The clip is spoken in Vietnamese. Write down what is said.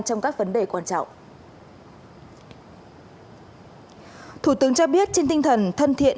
trong các vấn đề quan trọng thủ tướng cho biết trên tinh thần thân thiện